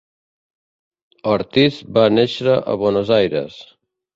Ortiz va néixer a Buenos Aires.